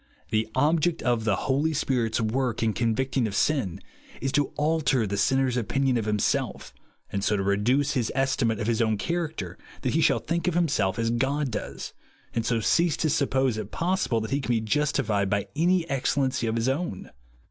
The object of the Holy Sphit's work, in convincing of sin, is to alter the sinner's opinion of himself, and so to reduce his estimate of his own character, that he shall think of himself as God does, and so cease to suppose it possible that he can be justified by any excellency of his own.